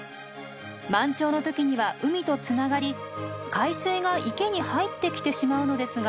満潮の時には海とつながり海水が池に入ってきてしまうのですが。